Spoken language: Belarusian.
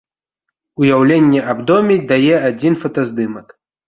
Уяўленне аб доме дае адзін фотаздымак.